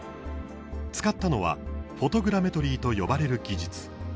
使ったのはフォトグラメトリーと呼ばれる技術。